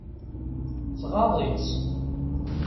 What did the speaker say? Tɣaḍ-itt.